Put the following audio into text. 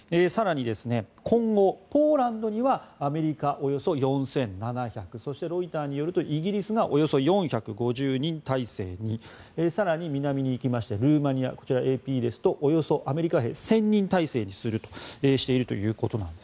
更に今後、ポーランドにはアメリカ、およそ４７００そして、ロイターによるとイギリスがおよそ４５０人態勢に更に南に行きましてルーマニアこちら、ＡＰですとおよそアメリカ兵１０００人態勢にしていると。